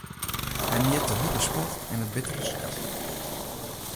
Hy mijt de hurde spot en it bittere sarkasme.